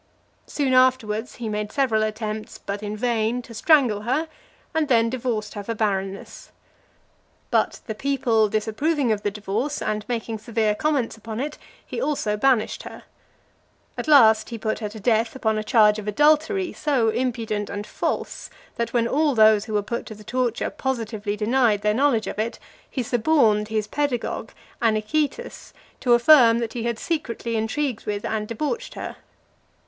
Soon afterwards, he made several attempts, but in vain, to strangle her, and then divorced her for barrenness. But the people, disapproving of the divorce, and making severe comments upon it, he also banished her . At last he (365) put her to death, upon a charge of adultery, so impudent and false, that, when all those who were put to the torture positively denied their knowledge of it, he suborned his pedagogue, Anicetus, to affirm, that he had secretly intrigued with and debauched her.